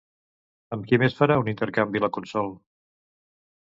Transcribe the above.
Amb qui més farà un intercanvi la Consol?